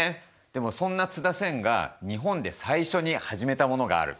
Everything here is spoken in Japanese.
でもそんな津田仙が日本で最初に始めたものがある。